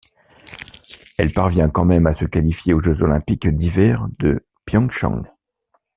Elle parvient quand même à se qualifier aux Jeux olympiques d'hiver de Pyeonchang.